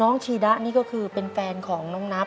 ชีดะนี่ก็คือเป็นแฟนของน้องนับ